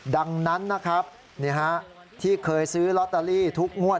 ดังนั้นนะครับที่เคยซื้อลอตเตอรี่ทุกงวด